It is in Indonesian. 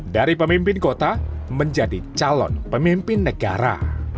dari pemimpin kota menjadi calon pemimpin negara